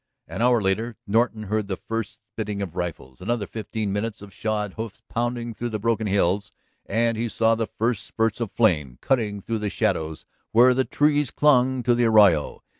An hour later Norton heard the first spitting of rifles. Another fifteen minutes of shod hoofs pounding through the broken hills and he saw the first spurts of flame cutting through the shadows where the trees clung to the arroyo.